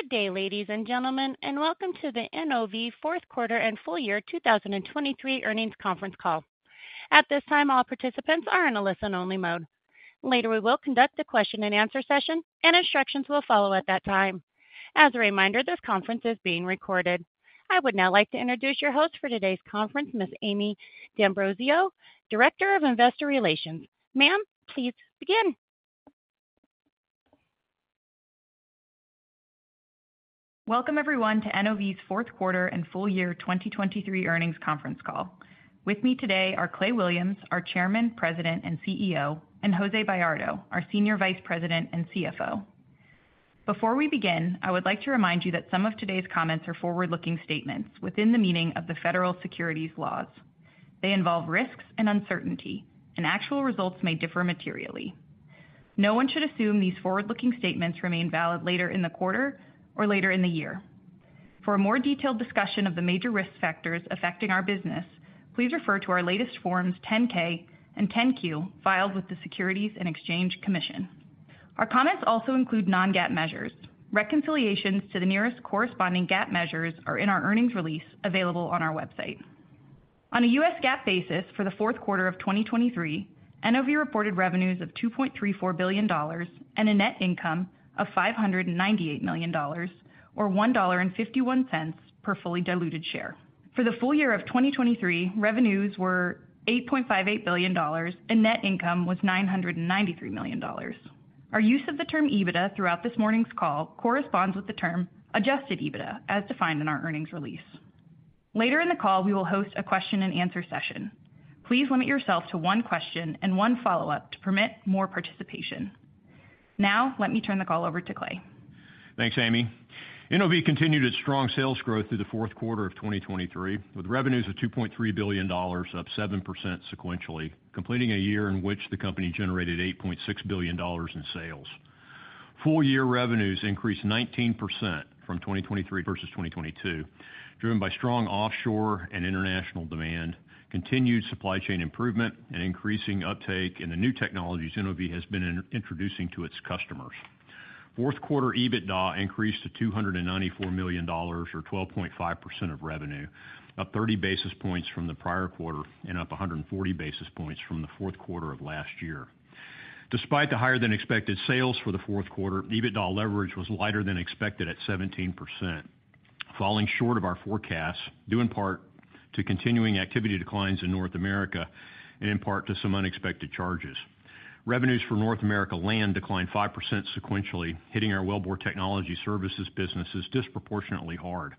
Good day, ladies and gentlemen, and welcome to the NOV fourth quarter and full year 2023 earnings conference call. At this time, all participants are in a listen-only mode. Later, we will conduct a question-and-answer session, and instructions will follow at that time. As a reminder, this conference is being recorded. I would now like to introduce your host for today's conference, Ms. Amie D'Ambrosio, Director of Investor Relations. Ma'am, please begin. Welcome, everyone, to NOV's fourth quarter and full year 2023 earnings conference call. With me today are Clay Williams, our Chairman, President, and CEO, and Jose Bayardo, our Senior Vice President and CFO. Before we begin, I would like to remind you that some of today's comments are forward-looking statements within the meaning of the federal securities laws. They involve risks and uncertainty, and actual results may differ materially. No one should assume these forward-looking statements remain valid later in the quarter or later in the year. For a more detailed discussion of the major risk factors affecting our business, please refer to our latest Forms 10-K and 10-Q, filed with the Securities and Exchange Commission. Our comments also include non-GAAP measures. Reconciliations to the nearest corresponding GAAP measures are in our earnings release, available on our website. On a U.S. GAAP basis for the fourth quarter of 2023, NOV reported revenues of $2.34 billion and a net income of $598 million, or $1.51 per fully diluted share. For the full year of 2023, revenues were $8.58 billion, and net income was $993 million. Our use of the term EBITDA throughout this morning's call corresponds with the term Adjusted EBITDA, as defined in our earnings release. Later in the call, we will host a question-and-answer session. Please limit yourself to one question and one follow-up to permit more participation. Now, let me turn the call over to Clay. Thanks, Amie. NOV continued its strong sales growth through the fourth quarter of 2023, with revenues of $2.3 billion, up 7% sequentially, completing a year in which the company generated $8.6 billion in sales. Full-year revenues increased 19% from 2023 versus 2022, driven by strong offshore and international demand, continued supply chain improvement, and increasing uptake in the new technologies NOV has been introducing to its customers. Fourth quarter EBITDA increased to $294 million, or 12.5% of revenue, up 30 basis points from the prior quarter and up 140 basis points from the fourth quarter of last year. Despite the higher-than-expected sales for the fourth quarter, EBITDA leverage was lighter than expected at 17%, falling short of our forecast, due in part to continuing activity declines in North America and in part to some unexpected charges. Revenues for North America Land declined 5% sequentially, hitting our wellbore technology services businesses disproportionately hard.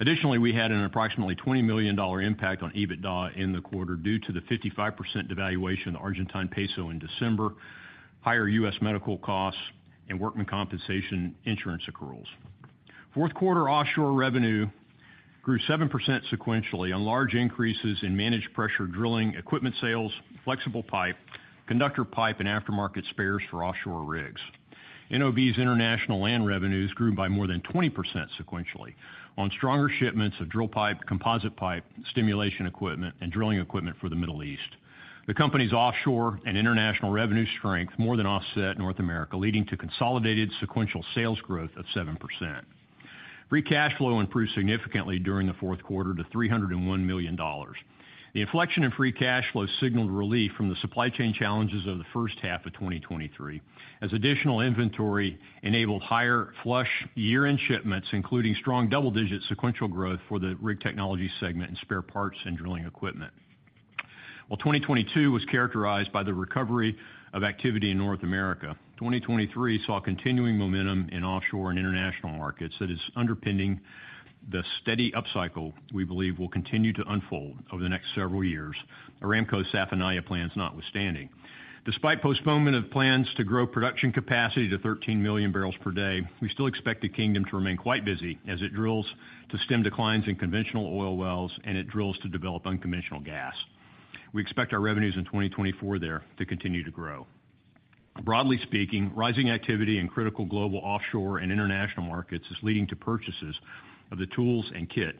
Additionally, we had an approximately $20 million impact on EBITDA in the quarter due to the 55% devaluation of the Argentine peso in December, higher U.S. medical costs, and workmen compensation insurance accruals. Fourth quarter offshore revenue grew 7% sequentially on large increases in managed pressure drilling, equipment sales, flexible pipe, conductor pipe, and aftermarket spares for offshore rigs. NOV's international land revenues grew by more than 20% sequentially on stronger shipments of drill pipe, composite pipe, stimulation equipment, and drilling equipment for the Middle East. The company's offshore and international revenue strength more than offset North America, leading to consolidated sequential sales growth of 7%. Free cash flow improved significantly during the fourth quarter to $301 million. The inflection in free cash flow signaled relief from the supply chain challenges of the first half of 2023, as additional inventory enabled higher flush year-end shipments, including strong double-digit sequential growth for the Rig Technology segment in spare parts and drilling equipment. While 2022 was characterized by the recovery of activity in North America, 2023 saw continuing momentum in offshore and international markets that is underpinning the steady upcycle we believe will continue to unfold over the next several years. Aramco's Safaniya plan is notwithstanding. Despite postponement of plans to grow production capacity to 13 million barrels per day, we still expect the kingdom to remain quite busy as it drills to stem declines in conventional oil wells and it drills to develop unconventional gas. We expect our revenues in 2024 there to continue to grow. Broadly speaking, rising activity in critical global, offshore, and international markets is leading to purchases of the tools and kit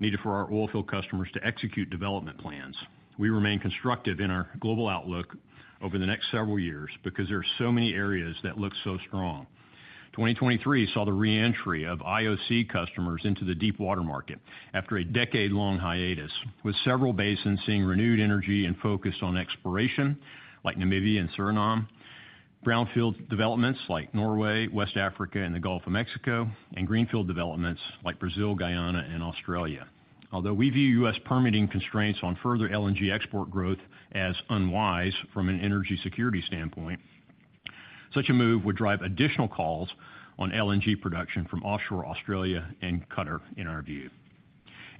needed for our oil field customers to execute development plans. We remain constructive in our global outlook over the next several years because there are so many areas that look so strong. 2023 saw the re-entry of IOC customers into the deep water market after a decade-long hiatus, with several basins seeing renewed energy and focus on exploration, like Namibia and Suriname, brownfield developments like Norway, West Africa, and the Gulf of Mexico, and greenfield developments like Brazil, Guyana, and Australia. Although we view U.S. permitting constraints on further LNG export growth as unwise from an energy security standpoint, such a move would drive additional calls on LNG production from offshore Australia and Qatar, in our view.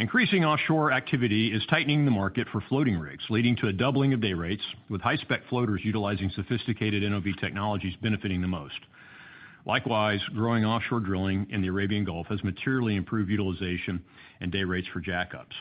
Increasing offshore activity is tightening the market for floating rigs, leading to a doubling of day rates, with high-spec floaters utilizing sophisticated NOV technologies benefiting the most. Likewise, growing offshore drilling in the Arabian Gulf has materially improved utilization and day rates for jackups.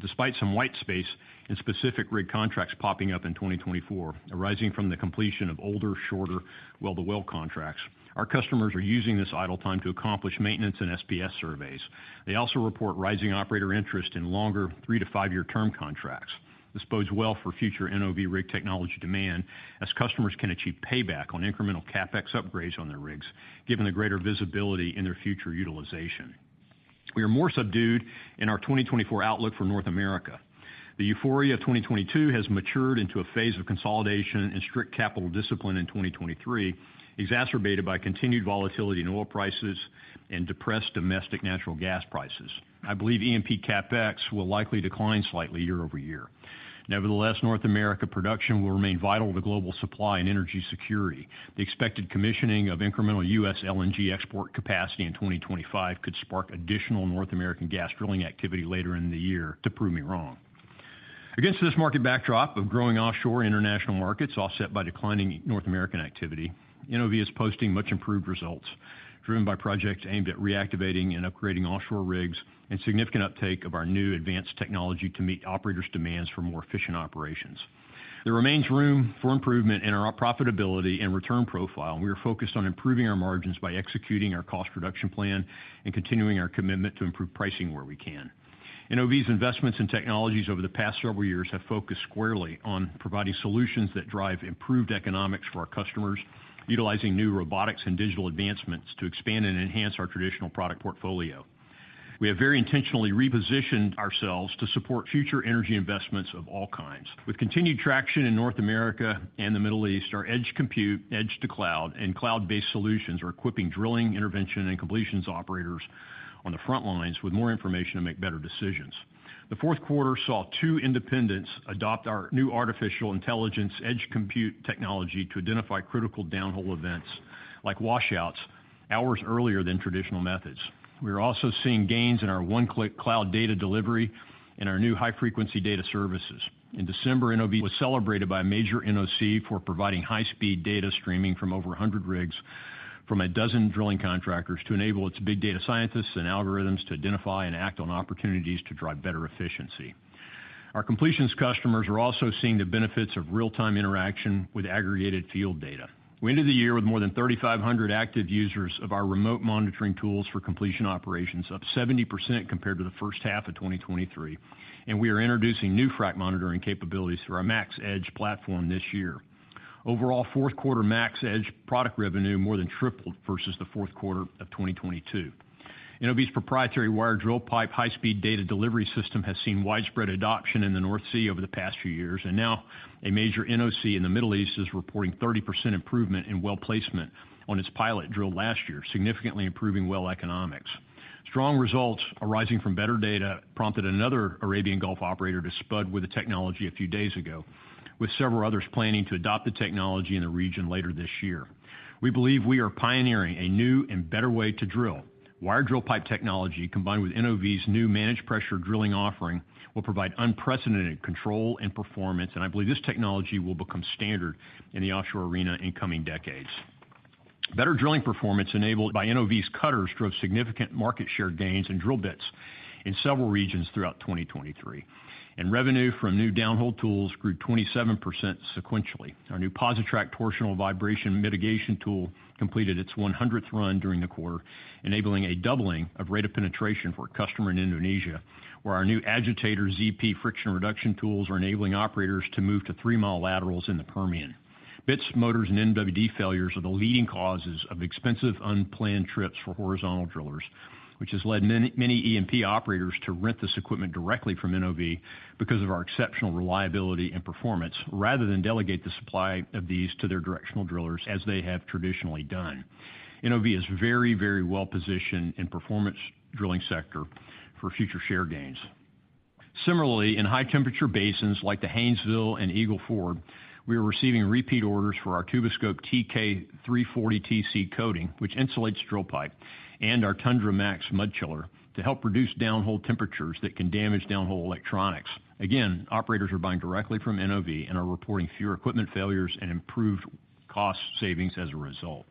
Despite some white space and specific rig contracts popping up in 2024, arising from the completion of older, shorter well-to-well contracts, our customers are using this idle time to accomplish maintenance and SBS surveys. They also report rising operator interest in longer, three to five year term contracts. This bodes well for future NOV Rig Technologies demand, as customers can achieve payback on incremental CapEx upgrades on their rigs, given the greater visibility in their future utilization. We are more subdued in our 2024 outlook for North America. The euphoria of 2022 has matured into a phase of consolidation and strict capital discipline in 2023, exacerbated by continued volatility in oil prices and depressed domestic natural gas prices. I believe E&P CapEx will likely decline slightly year-over-year. Nevertheless, North America production will remain vital to global supply and energy security. The expected commissioning of incremental U.S. LNG export capacity in 2025 could spark additional North American gas drilling activity later in the year to prove me wrong. Against this market backdrop of growing offshore international markets, offset by declining North American activity, NOV is posting much improved results, driven by projects aimed at reactivating and upgrading offshore rigs and significant uptake of our new advanced technology to meet operators' demands for more efficient operations. There remains room for improvement in our profitability and return profile, and we are focused on improving our margins by executing our cost reduction plan and continuing our commitment to improve pricing where we can. NOV's investments in technologies over the past several years have focused squarely on providing solutions that drive improved economics for our customers, utilizing new robotics and digital advancements to expand and enhance our traditional product portfolio. We have very intentionally repositioned ourselves to support future energy investments of all kinds. With continued traction in North America and the Middle East, our edge compute, edge-to-cloud, and cloud-based solutions are equipping drilling, intervention, and completions operators on the front lines with more information to make better decisions. The fourth quarter saw two independents adopt our new artificial intelligence edge compute technology to identify critical downhole events, like washouts, hours earlier than traditional methods. We are also seeing gains in our OneClick cloud data delivery and our new high-frequency data services. In December, NOV was celebrated by a major NOC for providing high-speed data streaming from over 100 rigs from a dozen drilling contractors to enable its big data scientists and algorithms to identify and act on opportunities to drive better efficiency. Our completions customers are also seeing the benefits of real-time interaction with aggregated field data. We ended the year with more than 3,500 active users of our remote monitoring tools for completion operations, up 70% compared to the first half of 2023, and we are introducing new frac monitoring capabilities through our Max Edge platform this year. Overall, fourth quarter Max Edge product revenue more than tripled versus the fourth quarter of 2022. NOV's proprietary wired drill pipe, high-speed data delivery system, has seen widespread adoption in the North Sea over the past few years, and now a major NOC in the Middle East is reporting 30% improvement in well placement on its pilot drill last year, significantly improving well economics. Strong results arising from better data prompted another Arabian Gulf operator to spud with the technology a few days ago, with several others planning to adopt the technology in the region later this year. We believe we are pioneering a new and better way to drill. Wired drill pipe technology, combined with NOV's new managed pressure drilling offering, will provide unprecedented control and performance, and I believe this technology will become standard in the offshore arena in coming decades. Better drilling performance enabled by NOV's cutters drove significant market share gains and drill bits in several regions throughout 2023, and revenue from new downhole tools grew 27% sequentially. Our new PosiTrack torsional vibration mitigation tool completed its 100th run during the quarter, enabling a doubling of rate of penetration for a customer in Indonesia, where our new Agitator ZP friction reduction tools are enabling operators to move to 3 mi laterals in the Permian. Bits, motors, and MWD failures are the leading causes of expensive, unplanned trips for horizontal drillers, which has led many, many E&P operators to rent this equipment directly from NOV because of our exceptional reliability and performance, rather than delegate the supply of these to their directional drillers, as they have traditionally done. NOV is very, very well positioned in performance drilling sector for future share gains. Similarly, in high-temperature basins like the Haynesville and Eagle Ford, we are receiving repeat orders for our Tuboscope TK-340 TC coating, which insulates drill pipe, and our TUNDRA MAX mud chiller to help reduce downhole temperatures that can damage downhole electronics. Again, operators are buying directly from NOV and are reporting fewer equipment failures and improved cost savings as a result.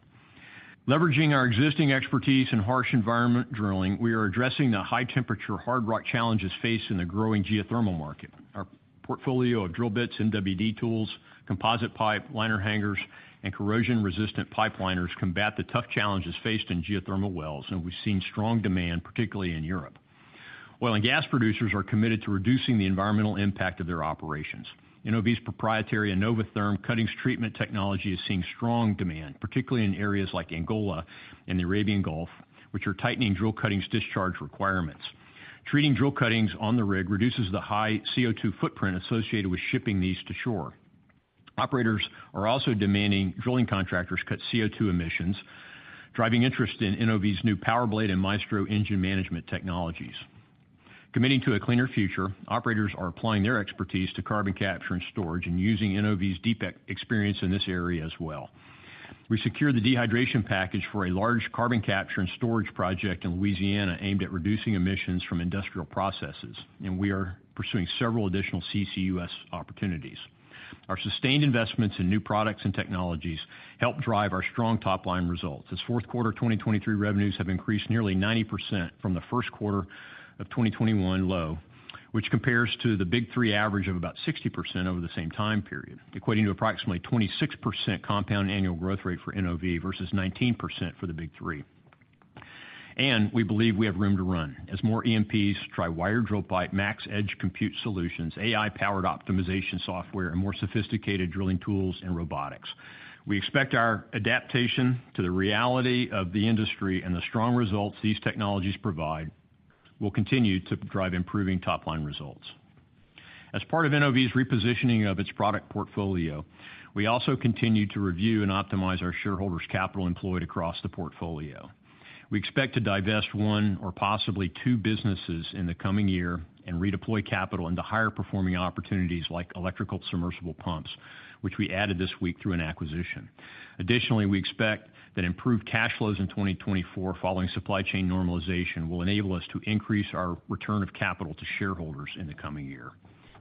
Leveraging our existing expertise in harsh environment drilling, we are addressing the high-temperature, hard rock challenges faced in the growing geothermal market. Our portfolio of drill bits, MWD tools, composite pipe, liner hangers, and corrosion-resistant pipe liners combat the tough challenges faced in geothermal wells, and we've seen strong demand, particularly in Europe. Oil and gas producers are committed to reducing the environmental impact of their operations. NOV's proprietary INNOVATHerm cuttings treatment technology is seeing strong demand, particularly in areas like Angola and the Arabian Gulf, which are tightening drill cuttings discharge requirements. Treating drill cuttings on the rig reduces the high CO₂ footprint associated with shipping these to shore. Operators are also demanding drilling contractors cut CO₂ emissions, driving interest in NOV's new PowerBlade and Maestro engine management technologies. Committing to a cleaner future, operators are applying their expertise to carbon capture and storage and using NOV's deep experience in this area as well. We secured the dehydration package for a large carbon capture and storage project in Louisiana aimed at reducing emissions from industrial processes, and we are pursuing several additional CCUS opportunities. Our sustained investments in new products and technologies helped drive our strong top-line results, as fourth quarter 2023 revenues have increased nearly 90% from the first quarter of 2021 low, which compares to the Big Three average of about 60% over the same time period, equating to approximately 26% compound annual growth rate for NOV versus 19% for the Big Three. We believe we have room to run as more E&Ps try wired drill pipe, Max Edge compute solutions, AI-powered optimization software, and more sophisticated drilling tools and robotics. We expect our adaptation to the reality of the industry and the strong results these technologies provide will continue to drive improving top-line results. As part of NOV's repositioning of its product portfolio, we also continue to review and optimize our shareholders' capital employed across the portfolio. We expect to divest one or possibly two businesses in the coming year and redeploy capital into higher-performing opportunities like electrical submersible pumps, which we added this week through an acquisition. Additionally, we expect that improved cash flows in 2024, following supply chain normalization, will enable us to increase our return of capital to shareholders in the coming year.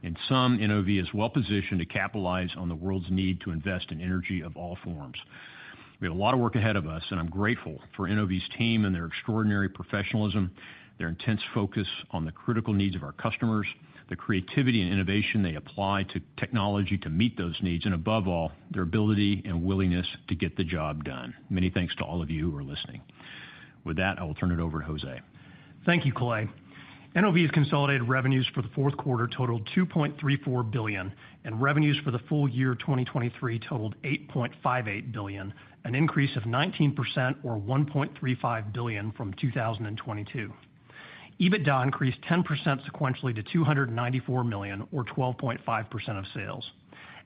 In sum, NOV is well-positioned to capitalize on the world's need to invest in energy of all forms. We have a lot of work ahead of us, and I'm grateful for NOV's team and their extraordinary professionalism, their intense focus on the critical needs of our customers, the creativity and innovation they apply to technology to meet those needs, and above all, their ability and willingness to get the job done. Many thanks to all of you who are listening. With that, I will turn it over to Jose. Thank you, Clay. NOV's consolidated revenues for the fourth quarter totaled $2.34 billion, and revenues for the full year 2023 totaled $8.58 billion, an increase of 19% or $1.35 billion from 2022. EBITDA increased 10% sequentially to $294 million, or 12.5% of sales.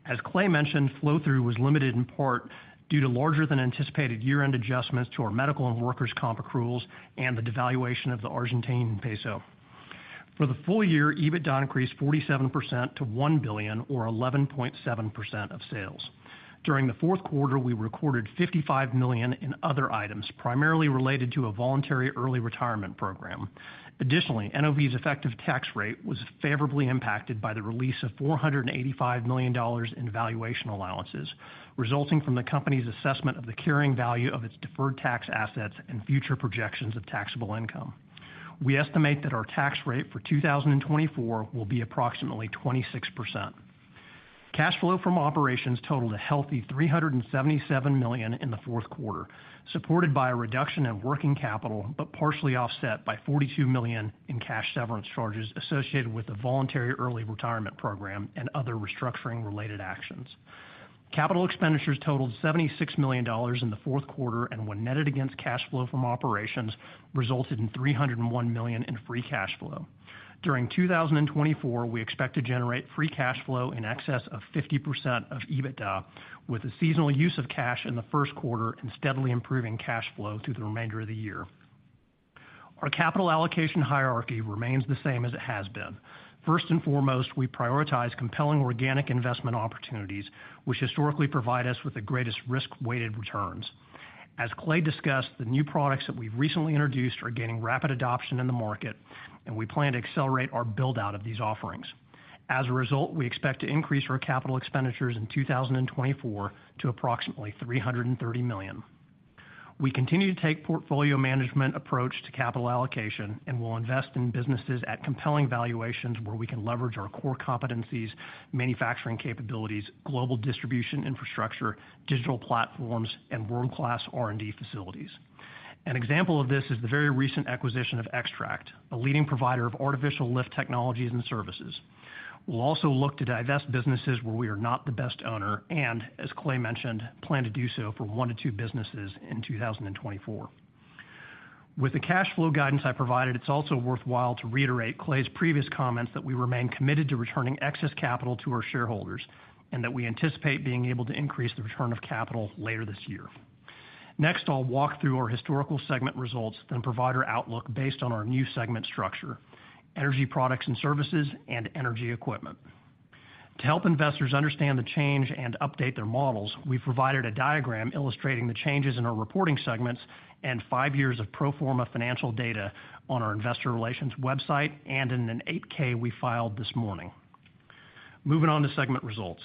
As Clay mentioned, flow-through was limited in part due to larger than anticipated year-end adjustments to our medical and workers' comp accruals and the devaluation of the Argentine peso. For the full year, EBITDA increased 47% to $1 billion or 11.7% of sales. During the fourth quarter, we recorded $55 million in other items, primarily related to a voluntary early retirement program. Additionally, NOV's effective tax rate was favorably impacted by the release of $485 million in valuation allowances, resulting from the company's assessment of the carrying value of its deferred tax assets and future projections of taxable income. We estimate that our tax rate for 2024 will be approximately 26%. Cash flow from operations totaled a healthy $377 million in the fourth quarter, supported by a reduction in working capital, but partially offset by $42 million in cash severance charges associated with the voluntary early retirement program and other restructuring related actions. Capital expenditures totaled $76 million in the fourth quarter, and when netted against cash flow from operations, resulted in $301 million in free cash flow. During 2024, we expect to generate free cash flow in excess of 50% of EBITDA, with a seasonal use of cash in the first quarter and steadily improving cash flow through the remainder of the year. Our capital allocation hierarchy remains the same as it has been. First and foremost, we prioritize compelling organic investment opportunities, which historically provide us with the greatest risk-weighted returns. As Clay discussed, the new products that we've recently introduced are gaining rapid adoption in the market, and we plan to accelerate our build-out of these offerings. As a result, we expect to increase our capital expenditures in 2024 to approximately $330 million. We continue to take portfolio management approach to capital allocation, and we'll invest in businesses at compelling valuations, where we can leverage our core competencies, manufacturing capabilities, global distribution infrastructure, digital platforms, and world-class R&D facilities. An example of this is the very recent acquisition of Extract, a leading provider of artificial lift technologies and services. We'll also look to divest businesses where we are not the best owner, and as Clay mentioned, plan to do so for one-two businesses in 2024. With the cash flow guidance I provided, it's also worthwhile to reiterate Clay's previous comments that we remain committed to returning excess capital to our shareholders, and that we anticipate being able to increase the return of capital later this year. Next, I'll walk through our historical segment results, then provide our outlook based on our new segment structure, energy products and services, and energy equipment. To help investors understand the change and update their models, we've provided a diagram illustrating the changes in our reporting segments and five years of pro forma financial data on our investor relations website and in an 8-K we filed this morning. Moving on to segment results.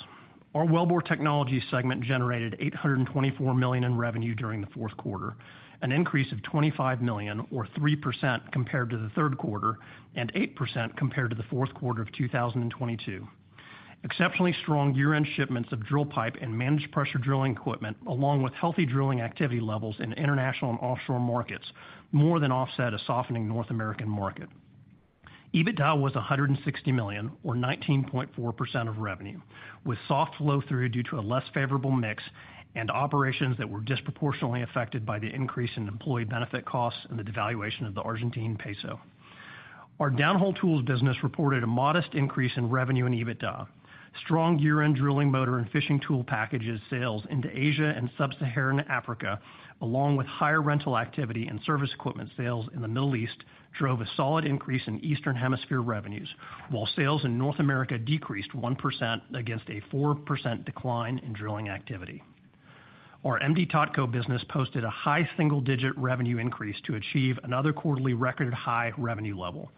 Our Wellbore Technologies segment generated $824 million in revenue during the fourth quarter, an increase of $25 million, or 3% compared to the third quarter, and 8% compared to the fourth quarter of 2022. Exceptionally strong year-end shipments of drill pipe and managed pressure drilling equipment, along with healthy drilling activity levels in international and offshore markets, more than offset a softening North American market. EBITDA was $160 million, or 19.4% of revenue, with soft flow-through due to a less favorable mix and operations that were disproportionately affected by the increase in employee benefit costs and the devaluation of the Argentine peso. Our Downhole Tools business reported a modest increase in revenue and EBITDA. Strong year-end drilling motor and fishing tool packages sales into Asia and sub-Saharan Africa, along with higher rental activity and service equipment sales in the Middle East, drove a solid increase in Eastern Hemisphere revenues, while sales in North America decreased 1% against a 4% decline in drilling activity. Our M/D TotCo business posted a high single-digit revenue increase to achieve another quarterly record high revenue level.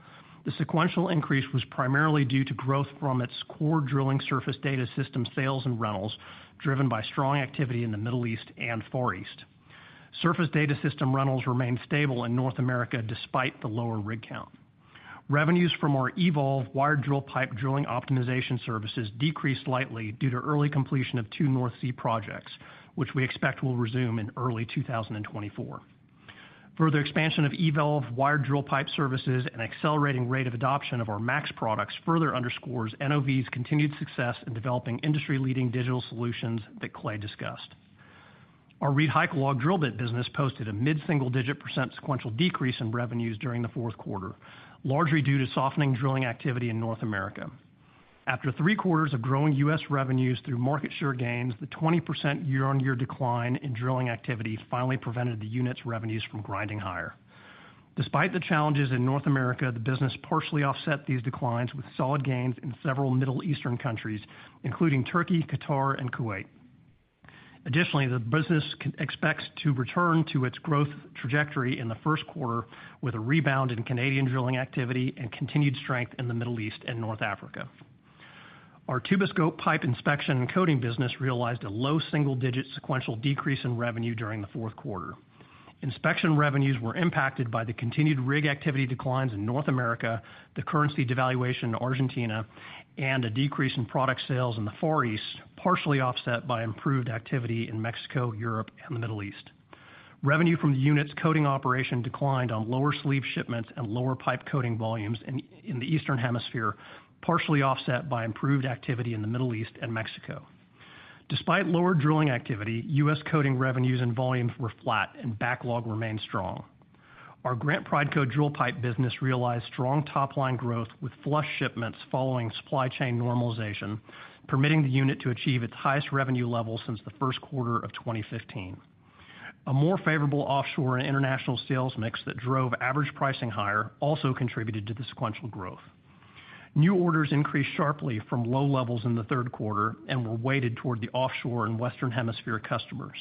The sequential increase was primarily due to growth from its core drilling surface data system sales and rentals, driven by strong activity in the Middle East and Far East. Surface data system rentals remained stable in North America despite the lower rig count. Revenues from our eVolve wired drill pipe drilling optimization services decreased slightly due to early completion of two North Sea projects, which we expect will resume in early 2024. Further expansion of eVolve wired drill pipe services and accelerating rate of adoption of our MAX products further underscores NOV's continued success in developing industry-leading digital solutions that Clay discussed. Our ReedHycalog drill bit business posted a mid-single-digit % sequential decrease in revenues during the fourth quarter, largely due to softening drilling activity in North America. After three quarters of growing U.S. revenues through market share gains, the 20% year-on-year decline in drilling activity finally prevented the unit's revenues from grinding higher. Despite the challenges in North America, the business partially offset these declines with solid gains in several Middle Eastern countries, including Turkey, Qatar, and Kuwait. Additionally, the business expects to return to its growth trajectory in the first quarter, with a rebound in Canadian drilling activity and continued strength in the Middle East and North Africa. Our Tuboscope pipe inspection and coating business realized a low single-digit sequential decrease in revenue during the fourth quarter. Inspection revenues were impacted by the continued rig activity declines in North America, the currency devaluation in Argentina, and a decrease in product sales in the Far East, partially offset by improved activity in Mexico, Europe, and the Middle East. Revenue from the unit's coating operation declined on lower sleeve shipments and lower pipe coating volumes in the Eastern Hemisphere, partially offset by improved activity in the Middle East and Mexico. Despite lower drilling activity, US coating revenues and volumes were flat and backlog remained strong. Our Grant Prideco Drill Pipe business realized strong top-line growth with flush shipments following supply chain normalization, permitting the unit to achieve its highest revenue level since the first quarter of 2015. A more favorable offshore and international sales mix that drove average pricing higher also contributed to the sequential growth. New orders increased sharply from low levels in the third quarter and were weighted toward the offshore and Western Hemisphere customers.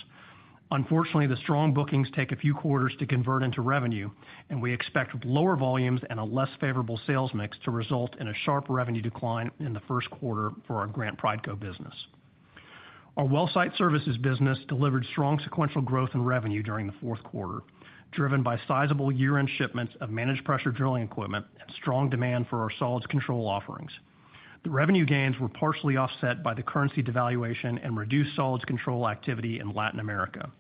Unfortunately, the strong bookings take a few quarters to convert into revenue, and we expect lower volumes and a less favorable sales mix to result in a sharp revenue decline in the first quarter for our Grant Prideco business. Our WellSite Services business delivered strong sequential growth in revenue during the fourth quarter, driven by sizable year-end shipments of managed pressure drilling equipment and strong demand for our solids control offerings. The revenue gains were partially offset by the currency devaluation and reduced solids control activity in Latin America.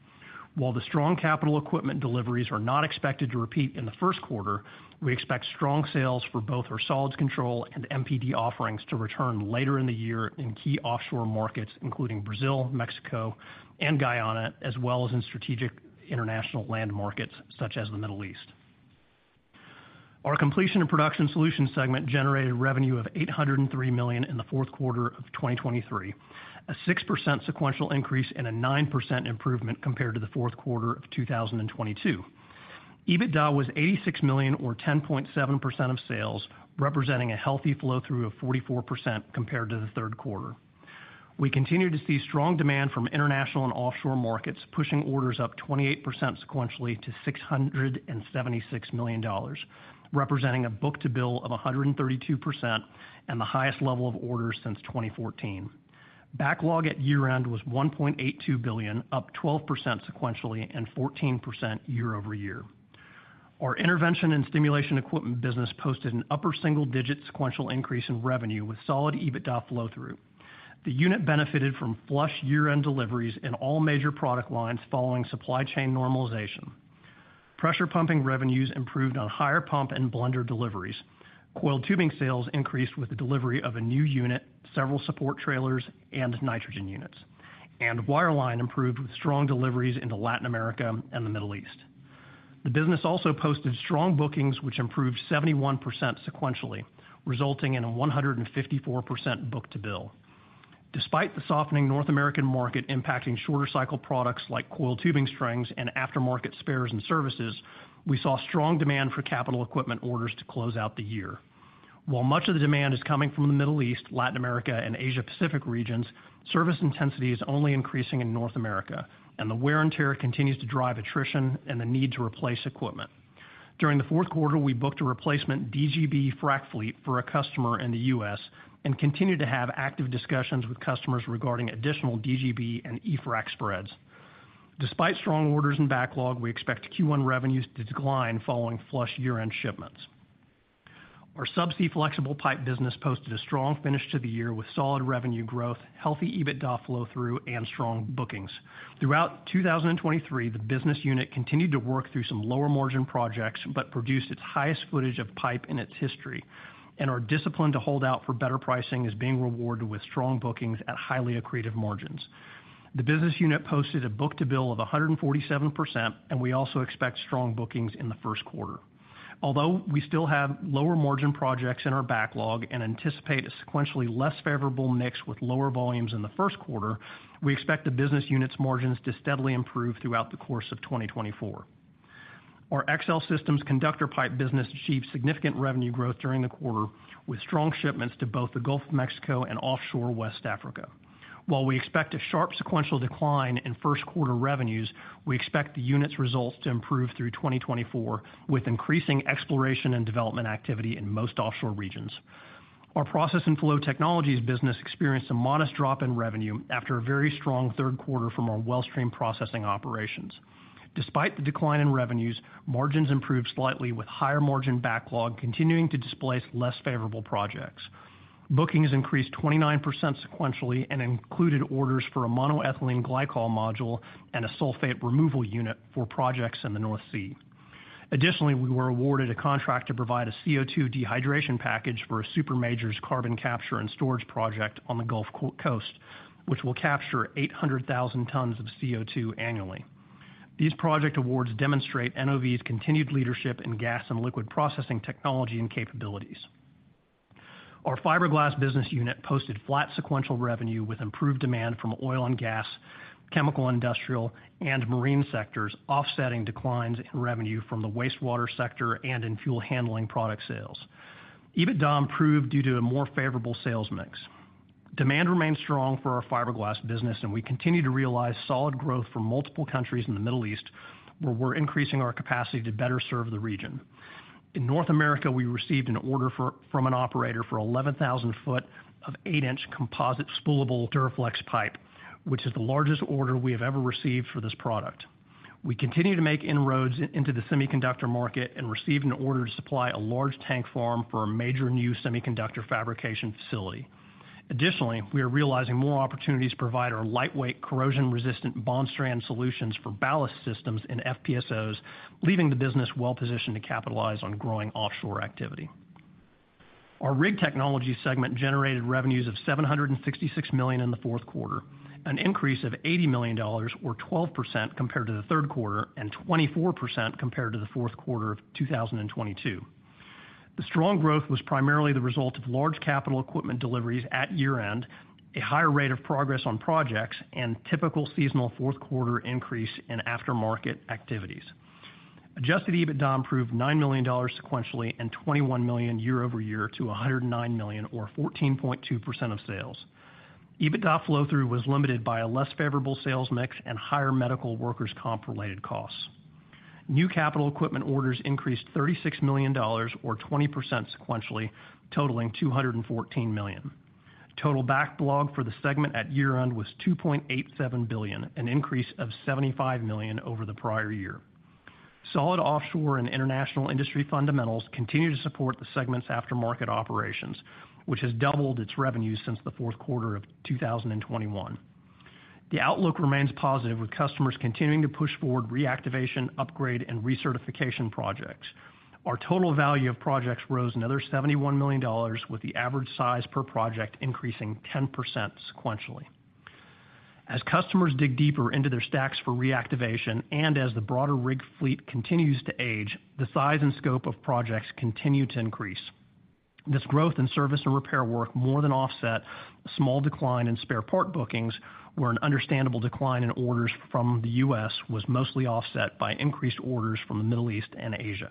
While the strong capital equipment deliveries are not expected to repeat in the first quarter, we expect strong sales for both our solids control and MPD offerings to return later in the year in key offshore markets, including Brazil, Mexico, and Guyana, as well as in strategic international land markets such as the Middle East. Our Completion and Production Solutions segment generated revenue of $803 million in the fourth quarter of 2023, a 6% sequential increase and a 9% improvement compared to the fourth quarter of 2022. EBITDA was $86 million or 10.7% of sales, representing a healthy flow through of 44% compared to the third quarter. We continue to see strong demand from international and offshore markets, pushing orders up 28% sequentially to $676 million, representing a book-to-bill of 132% and the highest level of orders since 2014. Backlog at year-end was $1.82 billion, up 12% sequentially and 14% year-over-year. Our intervention and stimulation equipment business posted an upper single-digit sequential increase in revenue with solid EBITDA flow through. The unit benefited from flush year-end deliveries in all major product lines following supply chain normalization. Pressure pumping revenues improved on higher pump and blender deliveries. Coiled tubing sales increased with the delivery of a new unit, several support trailers and nitrogen units, and wireline improved with strong deliveries into Latin America and the Middle East. The business also posted strong bookings, which improved 71% sequentially, resulting in a 154% book-to-bill. Despite the softening North American market impacting shorter cycle products like coiled tubing strings and aftermarket spares and services, we saw strong demand for capital equipment orders to close out the year. While much of the demand is coming from the Middle East, Latin America, and Asia Pacific regions, service intensity is only increasing in North America, and the wear and tear continues to drive attrition and the need to replace equipment. During the fourth quarter, we booked a replacement DGB frack fleet for a customer in the U.S. and continued to have active discussions with customers regarding additional DGB and E-Frac spreads. Despite strong orders and backlog, we expect Q1 revenues to decline following flush year-end shipments. Our Subsea Flexible Pipe business posted a strong finish to the year with solid revenue growth, healthy EBITDA flow through, and strong bookings. Throughout 2023, the business unit continued to work through some lower-margin projects, but produced its highest footage of pipe in its history, and our discipline to hold out for better pricing is being rewarded with strong bookings at highly accretive margins. The business unit posted a book-to-bill of 147%, and we also expect strong bookings in the first quarter. Although we still have lower-margin projects in our backlog and anticipate a sequentially less favorable mix with lower volumes in the first quarter, we expect the business unit's margins to steadily improve throughout the course of 2024. Our XL Systems Conductor Pipe business achieved significant revenue growth during the quarter, with strong shipments to both the Gulf of Mexico and offshore West Africa. While we expect a sharp sequential decline in first quarter revenues, we expect the unit's results to improve through 2024, with increasing exploration and development activity in most offshore regions. Our Process and Flow Technologies business experienced a modest drop in revenue after a very strong third quarter from our Wellstream Processing operations. Despite the decline in revenues, margins improved slightly, with higher-margin backlog continuing to displace less favorable projects. Bookings increased 29% sequentially and included orders for a monoethylene glycol module and a sulfate removal unit for projects in the North Sea. Additionally, we were awarded a contract to provide a CO₂ dehydration package for a super major's carbon capture and storage project on the Gulf Coast, which will capture 800,000 tons of CO₂ annually. These project awards demonstrate NOV's continued leadership in gas and liquid processing technology and capabilities. Our fiberglass business unit posted flat sequential revenue with improved demand from oil and gas, chemical, industrial, and marine sectors, offsetting declines in revenue from the wastewater sector and in fuel handling product sales. EBITDA improved due to a more favorable sales mix. Demand remains strong for our fiberglass business, and we continue to realize solid growth from multiple countries in the Middle East, where we're increasing our capacity to better serve the region. In North America, we received an order from an operator for 11,000 ft of 8 in composite spoolable Duraflex pipe, which is the largest order we have ever received for this product. We continue to make inroads into the semiconductor market and received an order to supply a large tank farm for a major new semiconductor fabrication facility. Additionally, we are realizing more opportunities to provide our lightweight, corrosion-resistant bond strand solutions for ballast systems in FPSOs, leaving the business well-positioned to capitalize on growing offshore activity. Our Rig Technologies segment generated revenues of $766 million in the fourth quarter, an increase of $80 million or 12% compared to the third quarter, and 24% compared to the fourth quarter of 2022. The strong growth was primarily the result of large capital equipment deliveries at year-end, a higher rate of progress on projects, and typical seasonal fourth quarter increase in aftermarket activities. Adjusted EBITDA improved $9 million sequentially and $21 million year over year to $109 million, or 14.2% of sales. EBITDA flow-through was limited by a less favorable sales mix and higher medical workers' comp-related costs. New capital equipment orders increased $36 million or 20% sequentially, totaling $214 million. Total backlog for the segment at year-end was $2.87 billion, an increase of $75 million over the prior year. Solid offshore and international industry fundamentals continue to support the segment's aftermarket operations, which has doubled its revenues since the fourth quarter of 2021. The outlook remains positive, with customers continuing to push forward reactivation, upgrade, and recertification projects. Our total value of projects rose another $71 million, with the average size per project increasing 10% sequentially. As customers dig deeper into their stacks for reactivation and as the broader rig fleet continues to age, the size and scope of projects continue to increase. This growth in service and repair work more than offset a small decline in spare part bookings, where an understandable decline in orders from the U.S. was mostly offset by increased orders from the Middle East and Asia.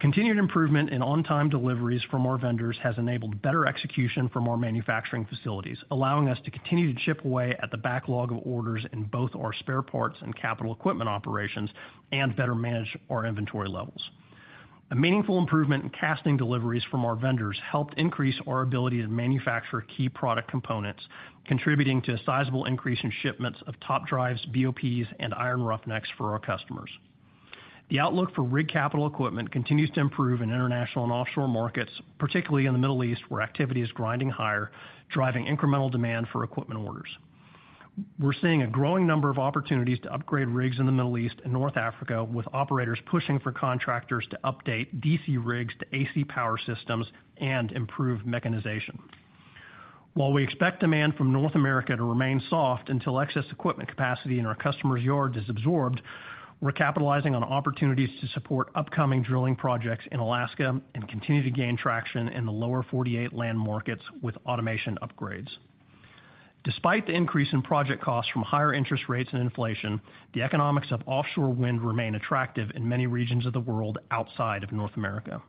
Continued improvement in on-time deliveries from our vendors has enabled better execution from our manufacturing facilities, allowing us to continue to chip away at the backlog of orders in both our spare parts and capital equipment operations, and better manage our inventory levels. A meaningful improvement in casting deliveries from our vendors helped increase our ability to manufacture key product components, contributing to a sizable increase in shipments of top drives, BOPs, and iron roughnecks for our customers. The outlook for rig capital equipment continues to improve in international and offshore markets, particularly in the Middle East, where activity is grinding higher, driving incremental demand for equipment orders. We're seeing a growing number of opportunities to upgrade rigs in the Middle East and North Africa, with operators pushing for contractors to update DC rigs to AC power systems and improve mechanization. While we expect demand from North America to remain soft until excess equipment capacity in our customers' yards is absorbed, we're capitalizing on opportunities to support upcoming drilling projects in Alaska and continue to gain traction in the lower 48 land markets with automation upgrades. Despite the increase in project costs from higher interest rates and inflation, the economics of offshore wind remain attractive in many regions of the world outside of North America.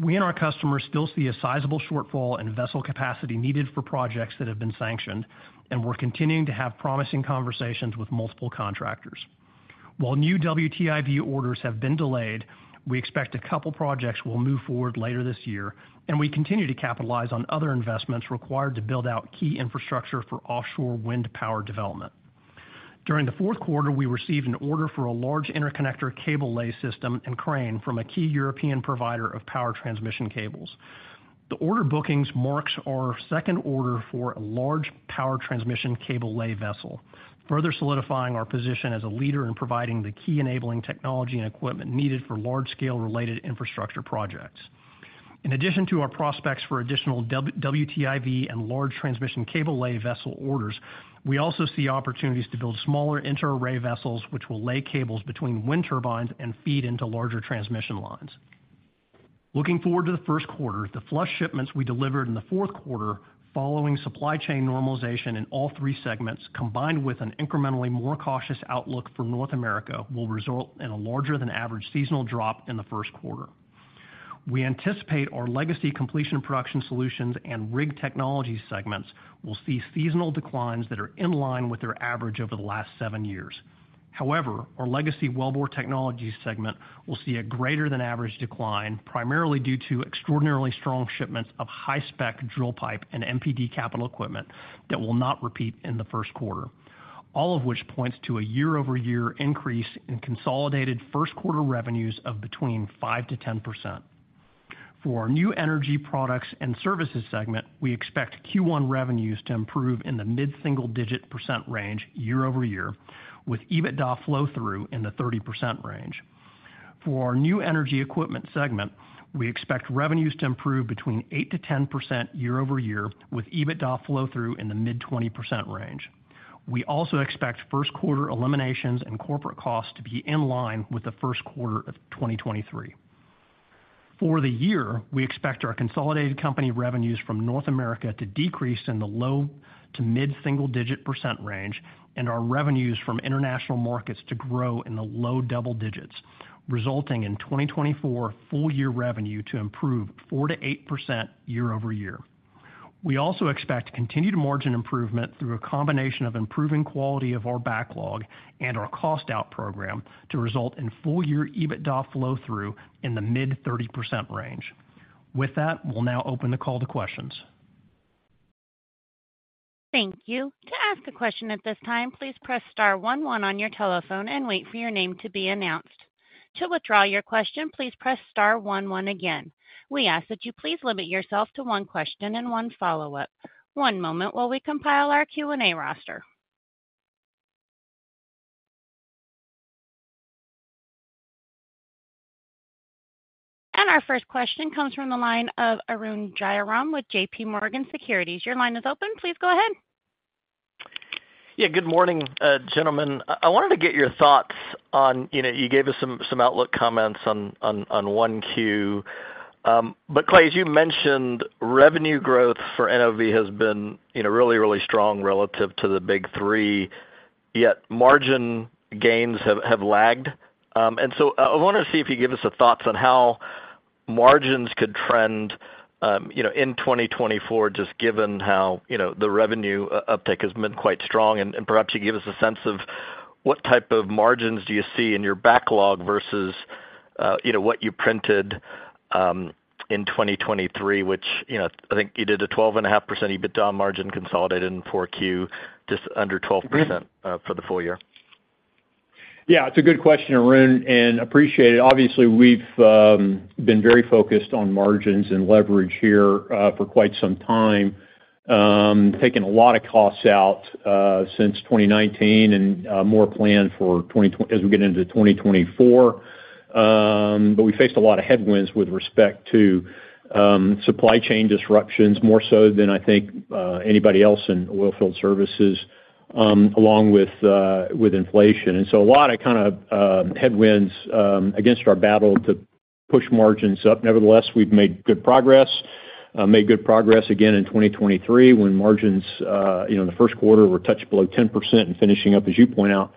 We and our customers still see a sizable shortfall in vessel capacity needed for projects that have been sanctioned, and we're continuing to have promising conversations with multiple contractors. While new WTIV orders have been delayed, we expect a couple projects will move forward later this year, and we continue to capitalize on other investments required to build out key infrastructure for offshore wind power development. During the fourth quarter, we received an order for a large interconnector cable lay system and crane from a key European provider of power transmission cables. The order bookings marks our second order for a large power transmission cable lay vessel, further solidifying our position as a leader in providing the key enabling technology and equipment needed for large-scale related infrastructure projects. In addition to our prospects for additional WTIV and large transmission cable lay vessel orders, we also see opportunities to build smaller inter-array vessels, which will lay cables between wind turbines and feed into larger transmission lines. Looking forward to the first quarter, the flush shipments we delivered in the fourth quarter, following supply chain normalization in all three segments, combined with an incrementally more cautious outlook for North America, will result in a larger than average seasonal drop in the first quarter. We anticipate our legacy completion production solutions and Rig Technologies segments will see seasonal declines that are in line with their average over the last seven years. However, our legacy wellbore technologies segment will see a greater than average decline, primarily due to extraordinarily strong shipments of high-spec drill pipe and MPD capital equipment that will not repeat in the first quarter. All of which points to a year-over-year increase in consolidated first quarter revenues of between 5%-10%. ...For our new energy products and services segment, we expect Q1 revenues to improve in the mid-single-digit % range year-over-year, with EBITDA flow-through in the 30% range. For our new energy equipment segment, we expect revenues to improve between 8%-10% year-over-year, with EBITDA flow-through in the mid-20% range. We also expect first quarter eliminations and corporate costs to be in line with the first quarter of 2023. For the year, we expect our consolidated company revenues from North America to decrease in the low- to mid-single-digit % range, and our revenues from international markets to grow in the low double digits, resulting in 2024 full-year revenue to improve 4%-8% year-over-year. We also expect continued margin improvement through a combination of improving quality of our backlog and our cost out program to result in full year EBITDA flow through in the mid-30% range. With that, we'll now open the call to questions. Thank you. To ask a question at this time, please press star one one on your telephone and wait for your name to be announced. To withdraw your question, please press star one one again. We ask that you please limit yourself to one question and one follow-up. One moment while we compile our Q&A roster. Our first question comes from the line of Arun Jayaram with JP Morgan Securities. Your line is open. Please go ahead. Yeah, good morning, gentlemen. I wanted to get your thoughts on, you know, you gave us some outlook comments on 1Q. But Clay, as you mentioned, revenue growth for NOV has been, you know, really, really strong relative to the big three, yet margin gains have lagged. And so I wanna see if you give us some thoughts on how margins could trend, you know, in 2024, just given how, you know, the revenue uptick has been quite strong. And perhaps you give us a sense of what type of margins do you see in your backlog versus, you know, what you printed in 2023, which, you know, I think you did a 12.5% EBITDA margin consolidated in 4Q, just under 12%. Mm-hmm... for the full year. Yeah, it's a good question, Arun, and appreciate it. Obviously, we've been very focused on margins and leverage here for quite some time. Taking a lot of costs out since 2019 and more planned for 20-- as we get into 2024. But we faced a lot of headwinds with respect to supply chain disruptions, more so than I think anybody else in oilfield services, along with with inflation. And so a lot of kind of headwinds against our battle to push margins up. Nevertheless, we've made good progress. Made good progress again in 2023, when margins, you know, in the first quarter were touched below 10% and finishing up, as you point out,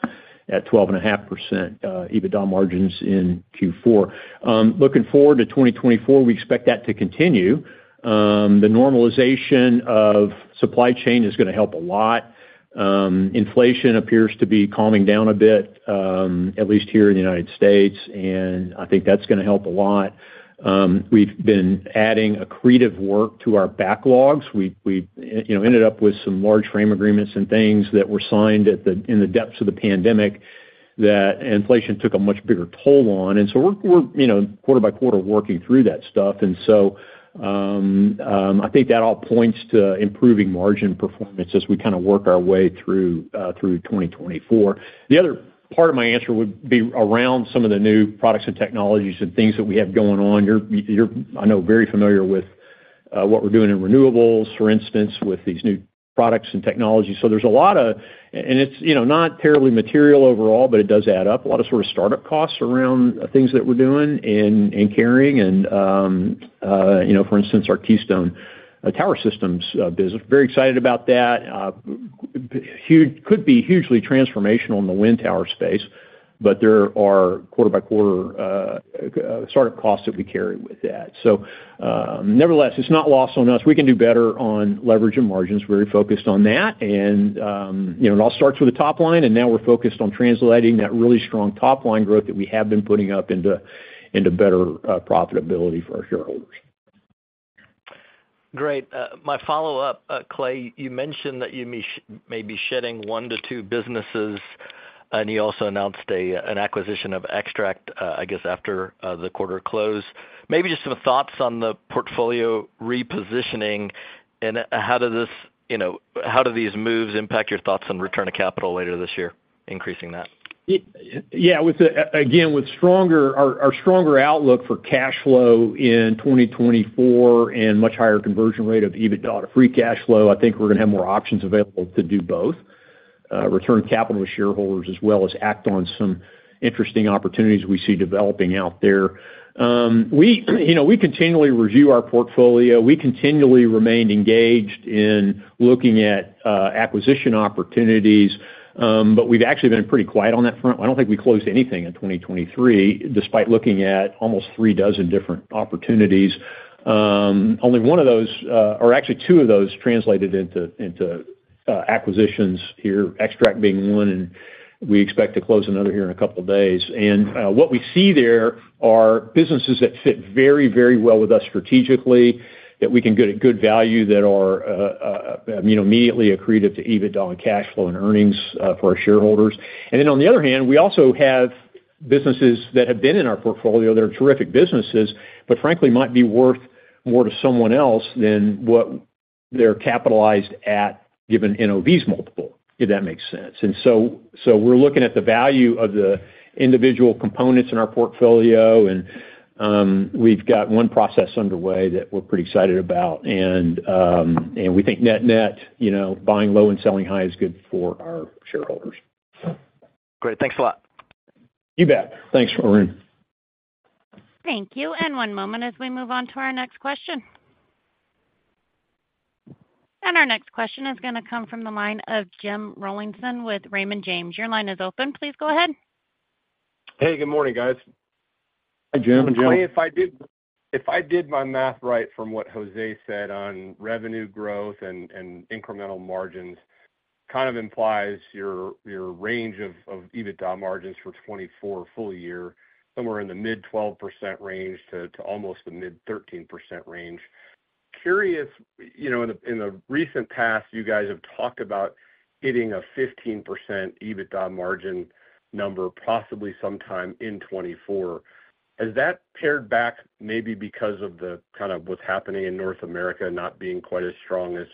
at 12.5% EBITDA margins in Q4. Looking forward to 2024, we expect that to continue. The normalization of supply chain is gonna help a lot. Inflation appears to be calming down a bit, at least here in the United States, and I think that's gonna help a lot. We've been adding accretive work to our backlogs. We, you know, ended up with some large frame agreements and things that were signed at the—in the depths of the pandemic, that inflation took a much bigger toll on. And so we're, you know, quarter by quarter, working through that stuff. And so, I think that all points to improving margin performance as we kind of work our way through 2024. The other part of my answer would be around some of the new products and technologies and things that we have going on. You're, I know, very familiar with what we're doing in renewables, for instance, with these new products and technologies. So there's a lot of... and it's, you know, not terribly material overall, but it does add up. A lot of sort of startup costs around things that we're doing in carrying and, you know, for instance, our Keystone Tower Systems business. Very excited about that. Could be hugely transformational in the wind tower space, but there are quarter by quarter startup costs that we carry with that. So, nevertheless, it's not lost on us. We can do better on leverage and margins. Very focused on that. You know, it all starts with the top line, and now we're focused on translating that really strong top line growth that we have been putting up into better profitability for our shareholders. Great. My follow-up, Clay, you mentioned that you may be shedding one-two businesses, and you also announced an acquisition of Extract, I guess, after the quarter close. Maybe just some thoughts on the portfolio repositioning, and how does this, you know, how do these moves impact your thoughts on return of capital later this year, increasing that? Yeah, again, with our stronger outlook for cash flow in 2024 and much higher conversion rate of EBITDA to free cash flow, I think we're gonna have more options available to do both, return capital to shareholders, as well as act on some interesting opportunities we see developing out there. You know, we continually review our portfolio. We continually remained engaged in looking at acquisition opportunities, but we've actually been pretty quiet on that front. I don't think we closed anything in 2023, despite looking at almost 36 different opportunities. Only one of those, or actually two of those translated into acquisitions here, Extract being one, and we expect to close another here in a couple of days. And what we see there are businesses that fit very, very well with us strategically. That we can get a good value that are immediately accretive to EBITDA and cash flow and earnings for our shareholders. And then on the other hand, we also have businesses that have been in our portfolio that are terrific businesses, but frankly, might be worth more to someone else than what they're capitalized at, given NOV's multiple, if that makes sense. And so we're looking at the value of the individual components in our portfolio, and we've got one process underway that we're pretty excited about. And we think net-net, you know, buying low and selling high is good for our shareholders. Great. Thanks a lot. You bet. Thanks, Arun. Thank you. And one moment as we move on to our next question. And our next question is gonna come from the line of Jim Rollyson with Raymond James. Your line is open. Please go ahead. Hey, good morning, guys. Hi, Jim. Jim. If I did, if I did my math right from what Jose said on revenue growth and, and incremental margins, kind of implies your, your range of, of EBITDA margins for 2024 full year, somewhere in the mid-12% range to, to almost the mid-13% range. Curious, you know, in the recent past, you guys have talked about hitting a 15% EBITDA margin number, possibly sometime in 2024. Has that pared back, maybe because of the kind of what's happening in North America not being quite as strong as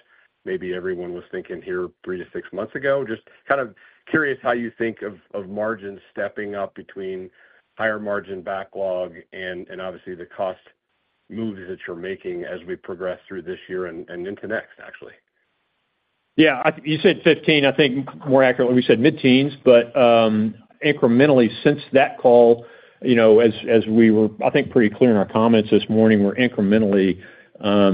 maybe everyone was thinking here three-six months ago? Just kind of curious how you think of, of margins stepping up between higher margin backlog and, and obviously, the cost moves that you're making as we progress through this year and, and into next, actually. Yeah, you said fifteen. I think more accurately, we said mid-teens, but incrementally since that call, you know, as we were, I think, pretty clear in our comments this morning, we're incrementally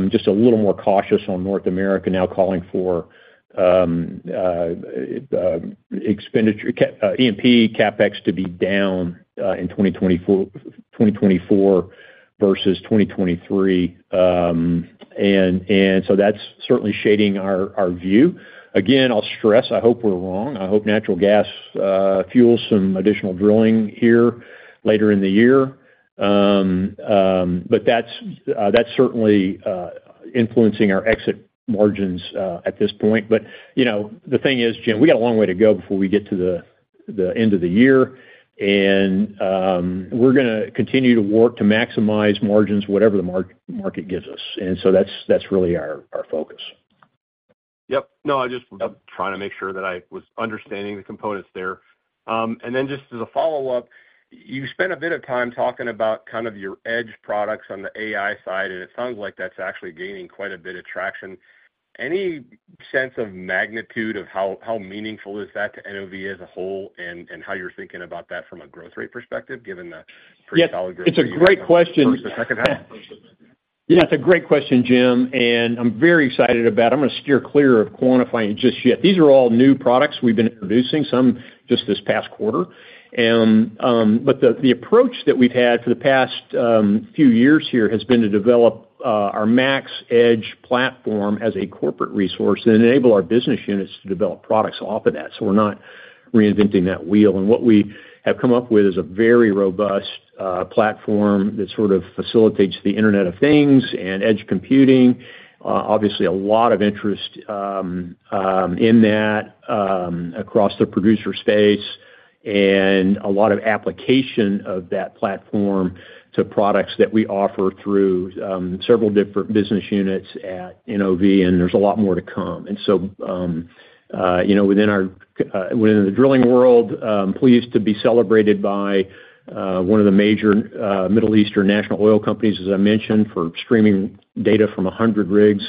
just a little more cautious on North America now calling for E&P CapEx to be down in 2024 versus 2023. And so that's certainly shading our view. Again, I'll stress, I hope we're wrong. I hope natural gas fuels some additional drilling here later in the year. But that's certainly influencing our exit margins at this point. But you know, the thing is, Jim, we got a long way to go before we get to the end of the year, and we're gonna continue to work to maximize margins, whatever the market gives us. That's, that's really our, our focus. Yep. No, I just- Yep. Trying to make sure that I was understanding the components there. And then just as a follow-up, you spent a bit of time talking about kind of your edge products on the AI side, and it sounds like that's actually gaining quite a bit of traction. Any sense of magnitude of how meaningful is that to NOV as a whole, and how you're thinking about that from a growth rate perspective, given the pretty solid growth? It's a great question. First and second half. Yeah, it's a great question, Jim, and I'm very excited about it. I'm gonna steer clear of quantifying just yet. These are all new products we've been introducing, some just this past quarter. But the approach that we've had for the past few years here has been to develop our Max Edge platform as a corporate resource and enable our business units to develop products off of that. So we're not reinventing that wheel. And what we have come up with is a very robust platform that sort of facilitates the Internet of Things and edge computing. Obviously, a lot of interest in that across the producer space, and a lot of application of that platform to products that we offer through several different business units at NOV, and there's a lot more to come. Within our drilling world, I'm pleased to be celebrated by one of the major Middle Eastern national oil companies, as I mentioned, for streaming data from 100 rigs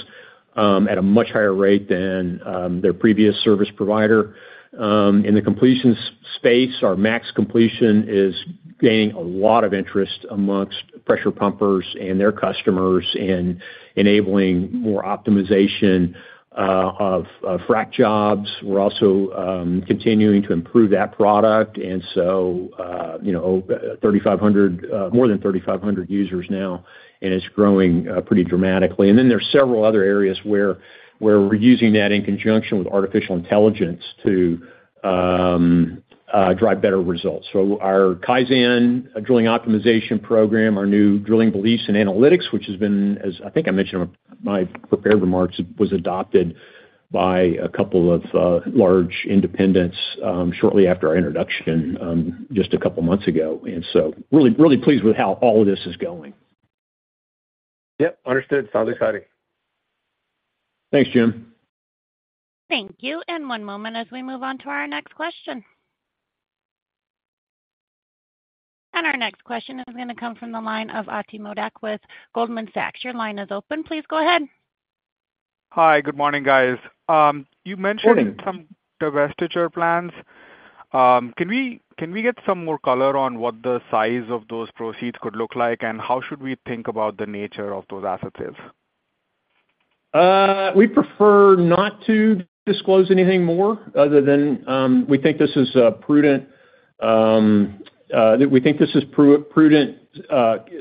at a much higher rate than their previous service provider. In the completion space, our Max Completions is gaining a lot of interest among pressure pumpers and their customers in enabling more optimization of frack jobs. We're also continuing to improve that product, and so, you know, more than 3,500 users now, and it's growing pretty dramatically. Then there's several other areas where we're using that in conjunction with artificial intelligence to drive better results. So our Kaizen Drilling Optimization program, our new drilling beliefs and analytics, which has been, as I think I mentioned in my prepared remarks, was adopted by a couple of large independents shortly after our introduction, just a couple months ago. And so really, really pleased with how all of this is going. Yep, understood. Sounds exciting. Thanks, Jim. Thank you. And one moment as we move on to our next question. And our next question is gonna come from the line of Ati Modak with Goldman Sachs. Your line is open. Please go ahead. Hi, good morning, guys. You mentioned- Morning Some divestiture plans. Can we get some more color on what the size of those proceeds could look like, and how should we think about the nature of those assets is? We prefer not to disclose anything more other than we think this is a prudent, that we think this is prudent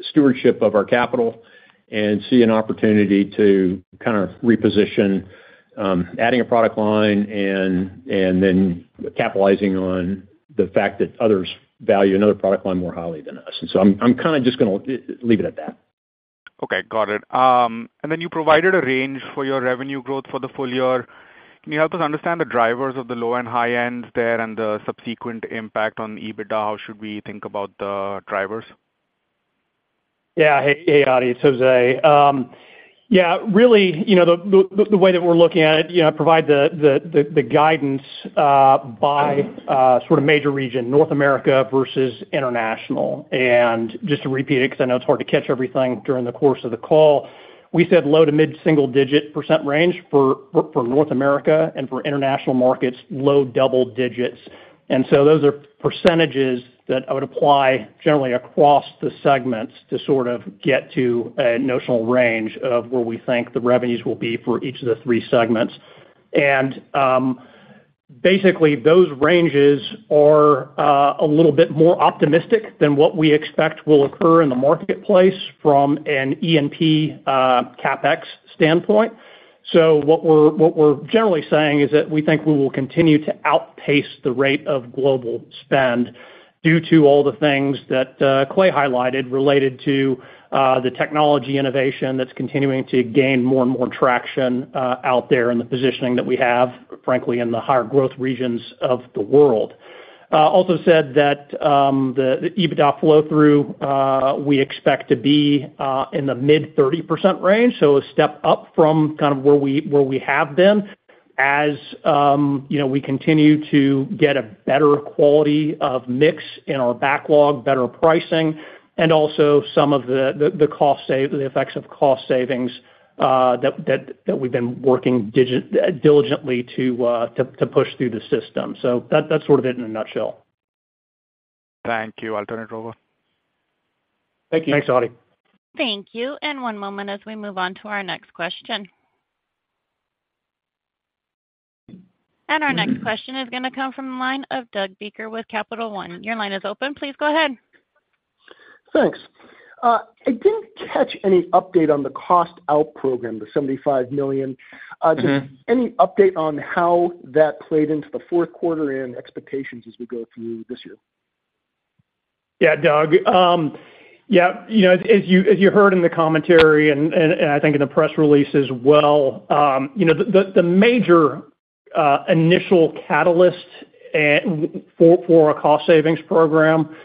stewardship of our capital and see an opportunity to kind of reposition, adding a product line and, and then capitalizing on the fact that others value another product line more highly than us. And so I'm kind of just gonna leave it at that. Okay, got it. And then you provided a range for your revenue growth for the full year. Can you help us understand the drivers of the low and high ends there and the subsequent impact on EBITDA? How should we think about the drivers? Yeah. Hey, Adi, it's Jose. Yeah, really, you know, the way that we're looking at it, you know, provide the guidance by sort of major region, North America versus international. And just to repeat it, because I know it's hard to catch everything during the course of the call. We said low- to mid-single-digit % range for North America, and for international markets, low double-digit, and so those are percentages that I would apply generally across the segments to sort of get to a notional range of where we think the revenues will be for each of the three segments. And, basically, those ranges are a little bit more optimistic than what we expect will occur in the marketplace from an E&P CapEx standpoint. So what we're generally saying is that we think we will continue to outpace the rate of global spend due to all the things that, Clay highlighted, related to, the technology innovation that's continuing to gain more and more traction, out there, and the positioning that we have, frankly, in the higher growth regions of the world. Also said that, the EBITDA flow-through, we expect to be, in the mid-30% range, so a step up from kind of where we have been as, you know, we continue to get a better quality of mix in our backlog, better pricing, and also some of the, the effects of cost savings, that we've been working diligently to push through the system. So that, that's sort of it in a nutshell. Thank you. I'll turn it over. Thank you. Thanks, Adi. Thank you. One moment as we move on to our next question. Our next question is gonna come from the line of Doug Becker with Capital One. Your line is open. Please go ahead. Thanks. I didn't catch any update on the cost out program, the $75 million. Mm-hmm. Just any update on how that played into the fourth quarter and expectations as we go through this year? Yeah, Doug. Yeah, you know, as you heard in the commentary and I think in the press release as well, you know, the major initial catalyst for a cost savings program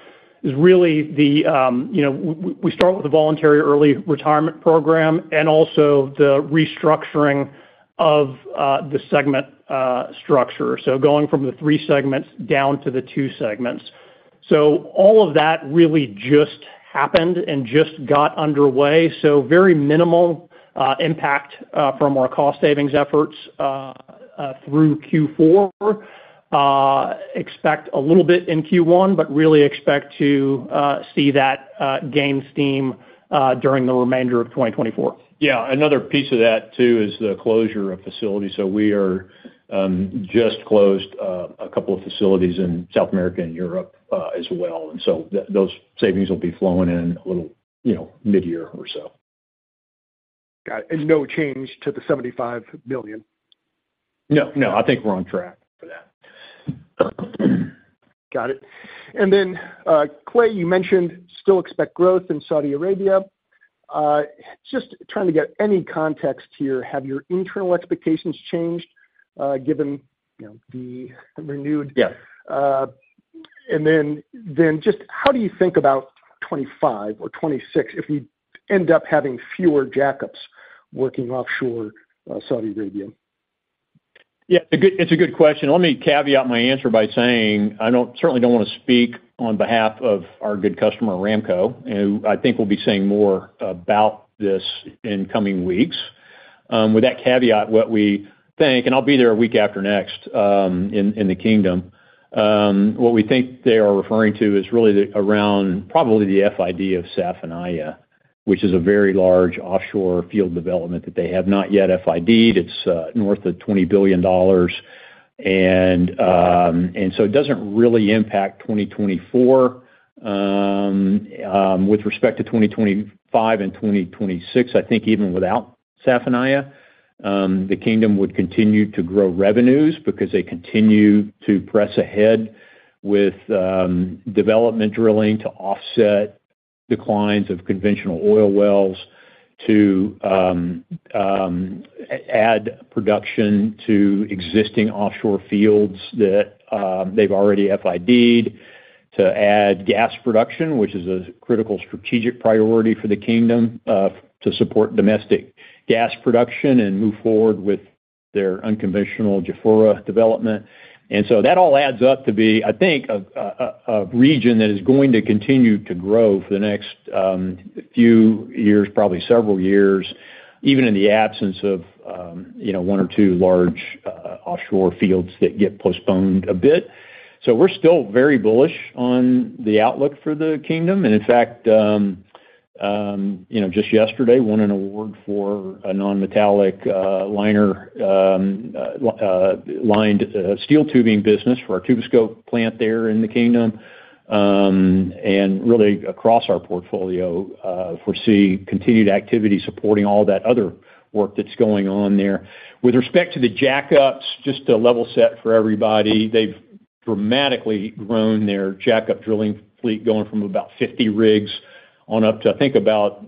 is really the, you know, we start with a voluntary early retirement program and also the restructuring of the segment structure. So going from the three segments down to the two segments. So all of that really just happened and just got underway, so very minimal impact from our cost savings efforts through Q4. Expect a little bit in Q1, but really expect to see that gain steam during the remainder of 2024. Yeah, another piece of that too is the closure of facilities. So we are just closed a couple of facilities in South America and Europe, as well. And so those savings will be flowing in a little, you know, mid-year or so. Got it. And no change to the $75 million? No, no, I think we're on track for that. Got it. And then, Clay, you mentioned still expect growth in Saudi Arabia. Just trying to get any context here. Have your internal expectations changed, given, you know, the renewed- Yes. And then, then just how do you think about 25 or 26, if you end up having fewer jackups working offshore, Saudi Arabia? Yeah, it's a good question. Let me caveat my answer by saying, I don't certainly don't wanna speak on behalf of our good customer, Aramco, who I think will be saying more about this in coming weeks. With that caveat, what we think, and I'll be there a week after next, in the Kingdom. What we think they are referring to is really the, around probably the FID of Safaniya, which is a very large offshore field development that they have not yet FID'd. It's north of $20 billion. So it doesn't really impact 2024. With respect to 2025 and 2026, I think even without Safaniya, the Kingdom would continue to grow revenues because they continue to press ahead with development drilling to offset declines of conventional oil wells, to add production to existing offshore fields that they've already FID'd, to add gas production, which is a critical strategic priority for the Kingdom, to support domestic gas production and move forward with their unconventional Jubail development. And so that all adds up to be, I think, a region that is going to continue to grow for the next few years, probably several years, even in the absence of, you know, one or two large offshore fields that get postponed a bit. So we're still very bullish on the outlook for the Kingdom. In fact, you know, just yesterday won an award for a non-metallic liner-lined steel tubing business for our Tuboscope plant there in the Kingdom. And really across our portfolio, foresee continued activity supporting all that other work that's going on there. With respect to the jack-ups, just to level set for everybody, they've dramatically grown their jack-up drilling fleet, going from about 50 rigs on up to, I think about,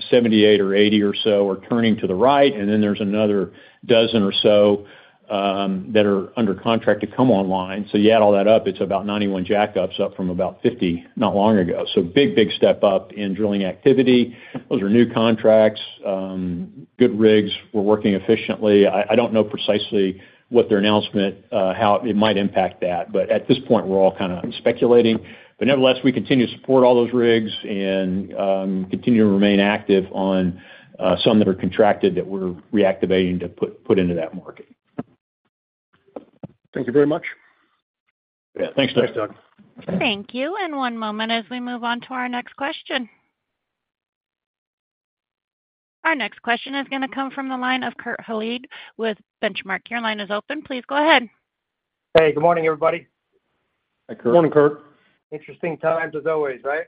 78 or 80 or so are turning to the right, and then there's another 12 or so that are under contract to come online. So you add all that up, it's about 91 jack-ups, up from about 50, not long ago. So big, big step up in drilling activity. Those are new contracts, good rigs. We're working efficiently. I don't know precisely what their announcement, how it might impact that, but at this point, we're all kind of speculating. But nevertheless, we continue to support all those rigs and continue to remain active on some that are contracted that we're reactivating to put into that market. Thank you very much. Yeah. Thanks, Doug. Thanks, Doug. Thank you. One moment as we move on to our next question. Our next question is gonna come from the line of Kurt Hallead with Benchmark. Your line is open, please go ahead. Hey, good morning, everybody. Hi, Kurt. Good morning, Kurt. Interesting times as always, right?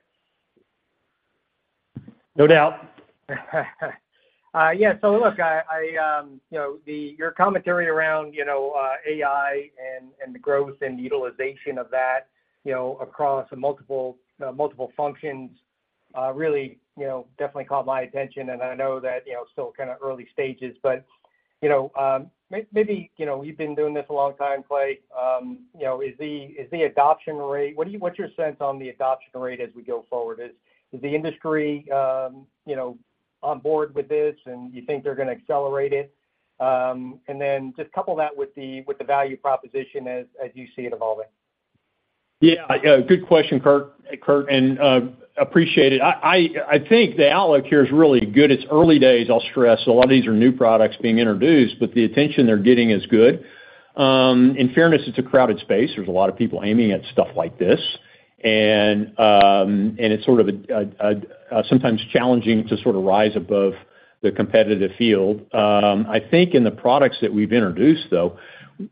No doubt. Yeah, so look, I, I, you know, the-- your commentary around, you know, AI and, and the growth and utilization of that, you know, across multiple, multiple functions, really, you know, definitely caught my attention. And I know that, you know, still kind of early stages, but, you know, maybe, you know, you've been doing this a long time, Clay. You know, is the adoption rate-- what's your sense on the adoption rate as we go forward? Is the industry, you know, on board with this, and you think they're gonna accelerate it? And then just couple that with the value proposition as you see it evolving. Yeah, good question, Kurt, and appreciate it. I think the outlook here is really good. It's early days, I'll stress. A lot of these are new products being introduced, but the attention they're getting is good. In fairness, it's a crowded space. There's a lot of people aiming at stuff like this. And it's sort of sometimes challenging to sort of rise above the competitive field. I think in the products that we've introduced, though,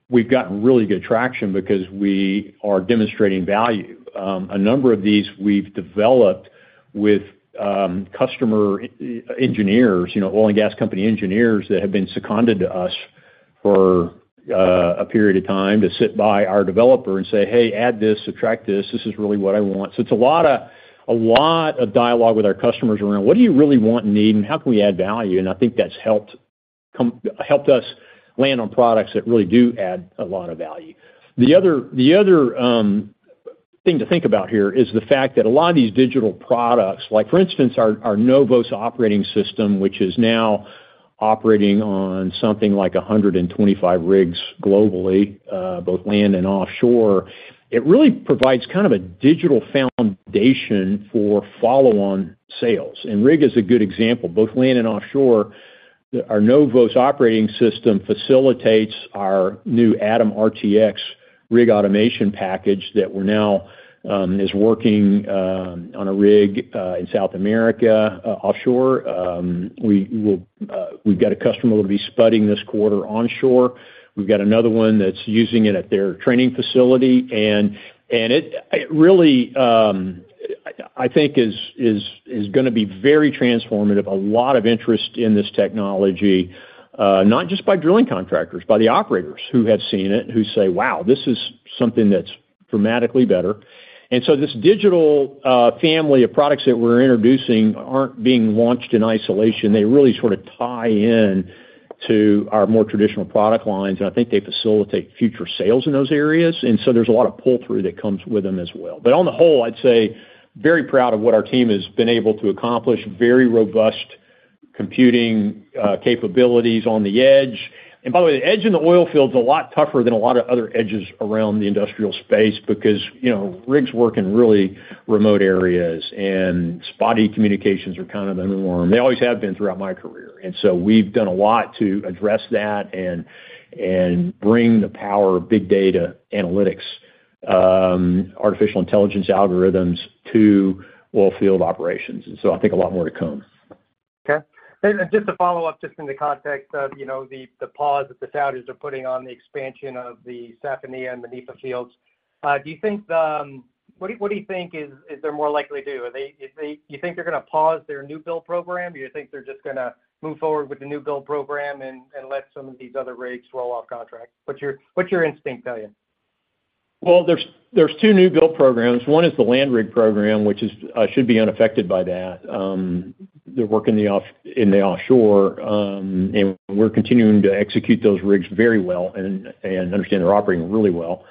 we've gotten really good traction because we are demonstrating value. A number of these we've developed with customer engineers, you know, oil and gas company engineers that have been seconded to us for a period of time to sit by our developer and say, "Hey, add this, subtract this. This is really what I want." So it's a lot of, a lot of dialogue with our customers around: What do you really want and need, and how can we add value? And I think that's helped helped us land on products that really do add a lot of value. The other, the other, thing to think about here is the fact that a lot of these digital products, like, for instance, our, our NOVOS operating system, which is now operating on something like 125 rigs globally, both land and offshore. It really provides kind of a digital foundation for follow-on sales, and rig is a good example. Both land and offshore, our NOVOS operating system facilitates our new Atom RTX rig automation package that we're now is working on a rig in South America, offshore. We will, we've got a customer that'll be spudding this quarter onshore. We've got another one that's using it at their training facility, and it really, I think is gonna be very transformative. A lot of interest in this technology, not just by drilling contractors, by the operators who have seen it, who say, "Wow, this is something that's dramatically better." And so this digital family of products that we're introducing aren't being launched in isolation. They really sort of tie in to our more traditional product lines, and I think they facilitate future sales in those areas, and so there's a lot of pull-through that comes with them as well. But on the whole, I'd say, very proud of what our team has been able to accomplish, very robust computing capabilities on the edge. By the way, the edge in the oil field is a lot tougher than a lot of other edges around the industrial space because, you know, rigs work in really remote areas, and spotty communications are kind of the norm. They always have been throughout my career, and so we've done a lot to address that and bring the power of big data analytics, artificial intelligence algorithms to oil field operations. And so I think a lot more to come. Okay. And then just to follow up, just in the context of, you know, the pause that the Saudis are putting on the expansion of the Safaniya and Manifa fields, do you think what they're more likely to do? Are they going to pause their new build program? Do you think they're just gonna move forward with the new build program and let some of these other rigs roll off contract? What's your instinct tell you? Well, there's two new build programs. One is the land rig program, which is should be unaffected by that. They work in the offshore, and we're continuing to execute those rigs very well and understand they're operating really well.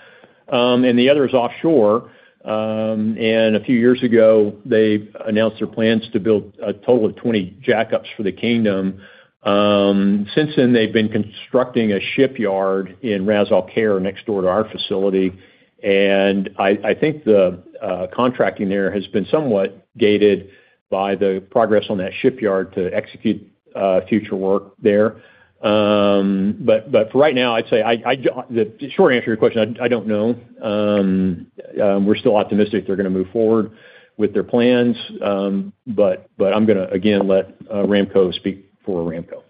And the other is offshore, and a few years ago, they announced their plans to build a total of 20 jack-ups for the kingdom. Since then, they've been constructing a shipyard in Ras Al Khaimah, next door to our facility. And I think the contracting there has been somewhat gated by the progress on that shipyard to execute future work there. But for right now, I'd say the short answer to your question: I don't know. We're still optimistic they're gonna move forward with their plans, but I'm gonna again let Aramco speak for Aramco....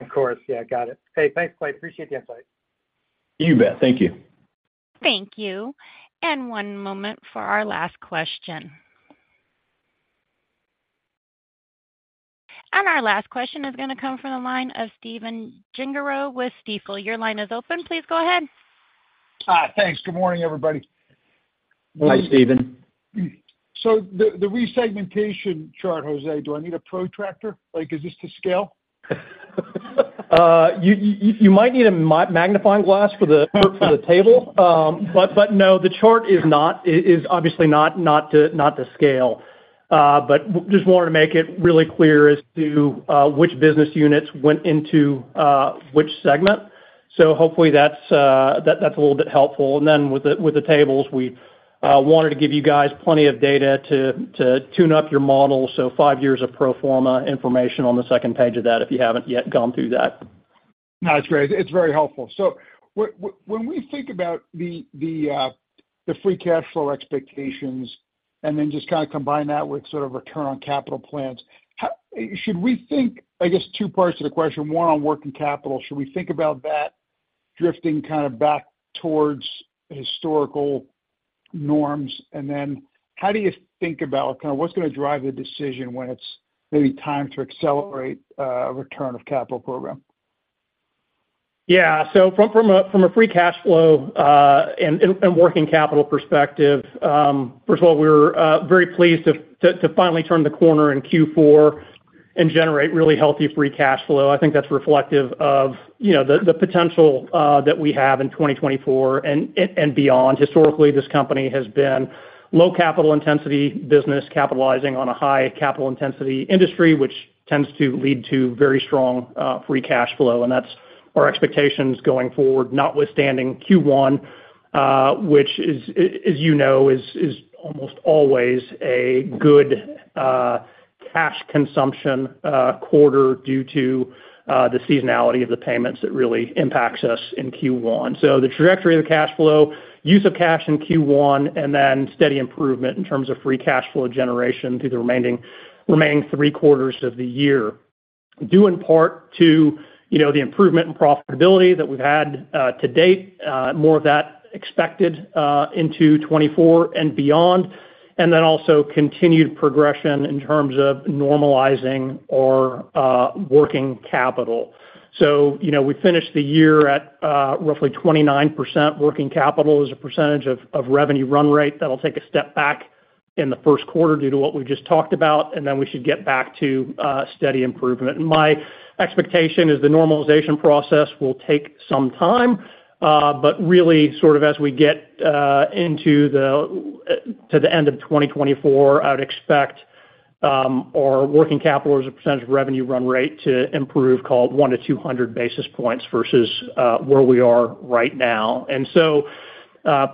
Of course. Yeah, got it. Hey, thanks, Clay. Appreciate the insight. You bet. Thank you. Thank you. And one moment for our last question. And our last question is gonna come from the line of Stephen Gengaro with Stifel. Your line is open. Please go ahead. Hi. Thanks. Good morning, everybody. Hi, Steven. So the resegmentation chart, Jose, do I need a protractor? Like, is this to scale? You might need a magnifying glass for the table. But no, the chart is obviously not to scale. But just wanted to make it really clear as to which business units went into which segment. So hopefully that's a little bit helpful. And then with the tables, we wanted to give you guys plenty of data to tune up your model. So five years of pro forma information on the second page of that, if you haven't yet gone through that. No, it's great. It's very helpful. So when we think about the free cash flow expectations and then just kinda combine that with sort of return on capital plans, how should we think... I guess two parts to the question, one on working capital, should we think about that drifting kind of back towards historical norms? And then how do you think about kind of what's gonna drive the decision when it's maybe time to accelerate return of capital program? Yeah. So from a free cash flow and working capital perspective, first of all, we were very pleased to finally turn the corner in Q4 and generate really healthy free cash flow. I think that's reflective of, you know, the potential that we have in 2024 and beyond. Historically, this company has been low capital intensity business, capitalizing on a high capital intensity industry, which tends to lead to very strong free cash flow, and that's our expectations going forward, notwithstanding Q1, which is, as you know, almost always a cash consumption quarter due to the seasonality of the payments that really impacts us in Q1. So the trajectory of the cash flow, use of cash in Q1, and then steady improvement in terms of free cash flow generation through the remaining three quarters of the year, due in part to, you know, the improvement in profitability that we've had to date, more of that expected into 2024 and beyond, and then also continued progression in terms of normalizing our working capital. So, you know, we finished the year at roughly 29% working capital as a percentage of revenue run rate. That'll take a step back in the first quarter due to what we just talked about, and then we should get back to steady improvement. My expectation is the normalization process will take some time, but really sort of as we get into the end of 2024, I would expect our working capital as a percentage of revenue run rate to improve, call it 100-200 basis points versus where we are right now. And so,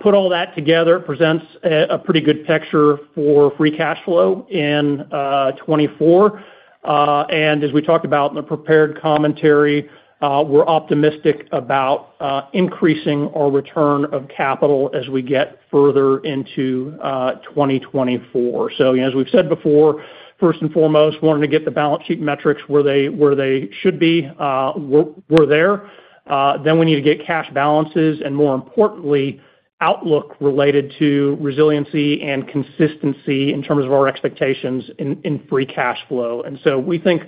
put all that together, presents a pretty good picture for free cash flow in 2024. And as we talked about in the prepared commentary, we're optimistic about increasing our return of capital as we get further into 2024. So as we've said before, first and foremost, wanting to get the balance sheet metrics where they should be, we're there. Then we need to get cash balances, and more importantly, outlook related to resiliency and consistency in terms of our expectations in, in free cash flow. And so we think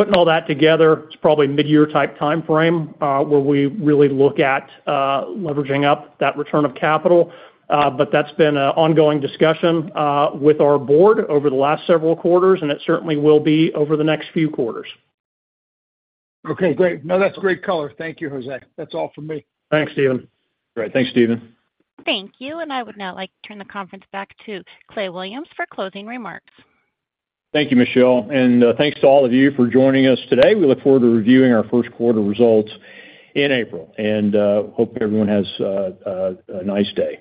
putting all that together, it's probably mid-year type timeframe, where we really look at, leveraging up that return of capital. But that's been an ongoing discussion, with our board over the last several quarters, and it certainly will be over the next few quarters. Okay, great. No, that's great color. Thank you, Jose. That's all for me. Thanks, Steven. Great. Thanks, Steven. Thank you, and I would now like to turn the conference back to Clay Williams for closing remarks. Thank you, Michelle, and thanks to all of you for joining us today. We look forward to reviewing our first quarter results in April, and hope everyone has a nice day.